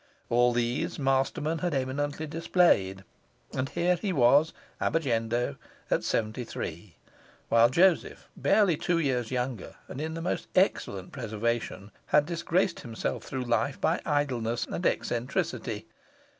All these Masterman had eminently displayed, and here he was, ab agendo, at seventy three; while Joseph, barely two years younger, and in the most excellent preservation, had disgraced himself through life by idleness and eccentricity.